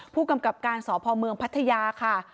ผู้กำกับการสพเมืองพัทยาค่ะ